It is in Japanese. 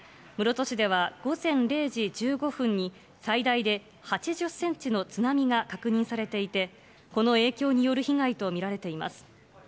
室戸市では午前０時１５分に、最大で８０センチの津波が確認されていて、この影響による被害と見られています。